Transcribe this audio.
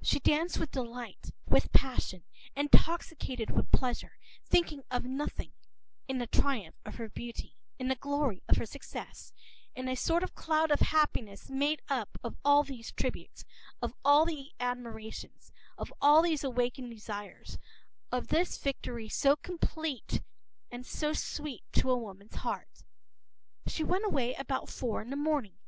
p>She danced with delight, with passion, intoxicated with pleasure, thinking of nothing, in the triumph of her beauty, in the glory of her success, in a sort of cloud of happiness made up of all these tributes, of all the admirations, of all these awakened desires, of this victory so complete and so sweet to a woman’s heart.She went away about four in the morning.